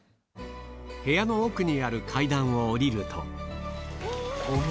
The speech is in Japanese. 部屋の奥にある階段を下りるとお！